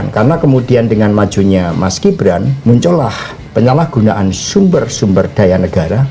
karena kemudian dengan majunya mas gibran muncullah penyalahgunaan sumber sumber daya negara